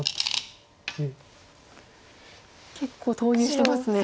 結構投入してますね。